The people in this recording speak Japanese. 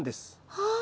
はあ！